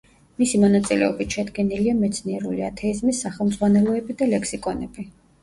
მისი მონაწილეობით შედგენილია მეცნიერული ათეიზმის სახელმძღვანელოები და ლექსიკონები.